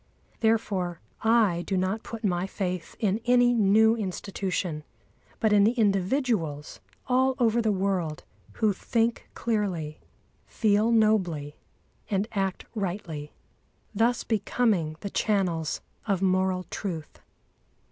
Therefore I do not put my faith in any new institution, but in the individuals all over the world who think clearly, feel nobly, and act rightly, thus becoming the channels of moral truth.